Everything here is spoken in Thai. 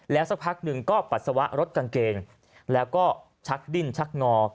สักพักหนึ่งก็ปัสสาวะรถกางเกงแล้วก็ชักดิ้นชักงอ